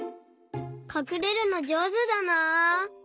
かくれるのじょうずだな。